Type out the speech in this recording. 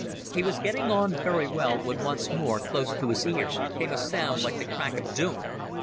He was getting on very well, when once more, close to his ear, came a sound like the crack of doom.